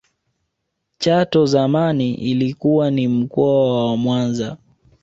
chato zamani ilikuwa ni mkoa wa mwanza